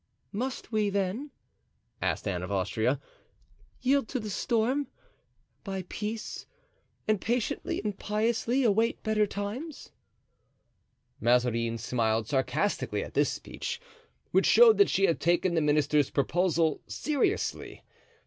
"Must we, then," asked Anne of Austria, "yield to the storm, buy peace, and patiently and piously await better times?" Mazarin smiled sarcastically at this speech, which showed that she had taken the minister's proposal seriously.